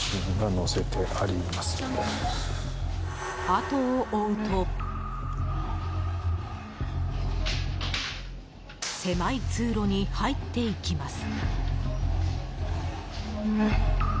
あとを追うと狭い通路に入っていきます。